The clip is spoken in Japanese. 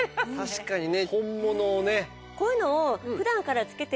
確かにね。